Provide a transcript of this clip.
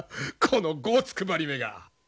このごうつくばりめが！